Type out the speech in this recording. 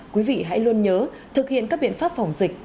quý vị hãy luôn nhớ thực hiện các biện pháp phòng dịch